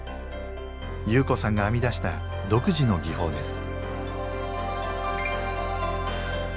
侑子さんが編み出した独自の技法です。